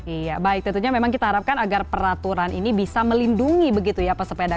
iya baik tentunya memang kita harapkan agar peraturan ini bisa melindungi begitu ya pesepeda